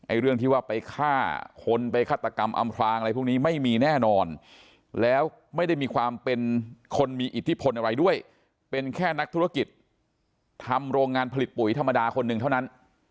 เรื่องที่ว่าไปฆ่าคนไปฆาตกรรมอำพลางอะไรพวกนี้ไม่มีแน่นอนแล้วไม่ได้มีความเป็นคนมีอิทธิพลอะไรด้วยเป็นแค่นักธุรกิจทำโรงงานผลิตปุ๋ยธรรมดาคนหนึ่งเท่านั้น